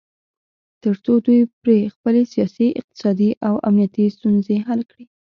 تر څو دوی پرې خپلې سیاسي، اقتصادي او امنیتي ستونځې حل کړي